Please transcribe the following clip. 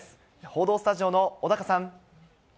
報道スタジオの小高さん。